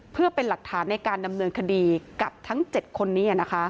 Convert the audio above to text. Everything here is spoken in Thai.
เพื่อเป็นหลักฐานในการดำเนินคดีกับทั้ง๗คนนี้